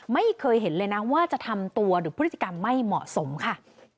ไม่เคยเห็นเลยนะว่าจะทำตัวหรือพฤติกรรมไม่เหมาะสมค่ะ